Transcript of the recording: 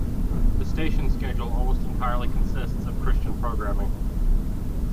The station's schedule almost entirely consists of Christian programming.